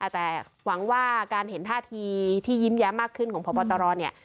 แต่หวังว่าการเห็นท่าทีที่ยิ้มแย้มมากขึ้นของพบตรเนี่ย